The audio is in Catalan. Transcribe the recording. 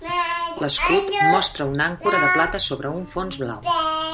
L'escut mostra una àncora de plata sobre un fons blau.